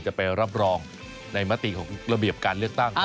จะไปรับรองในมติของระเบียบการเลือกตั้ง